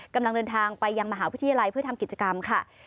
กำลังเดินทางไปยังมหาวิทยาลัยเพื่อทำกิจกรรมค่ะ